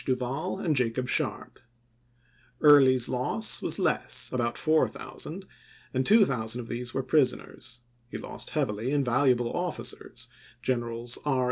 Duval and Jacob Sharpe. Early's loss was less, about 4000, and 2000 of these were prisoners ; he lost heavily in valuable officers, Generals R.